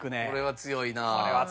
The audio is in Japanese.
これは強いな。